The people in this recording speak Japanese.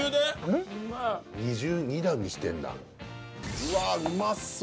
うわーうまそう！